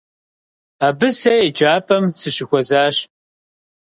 Абы сэ еджапӏэм сыщыхуэзащ.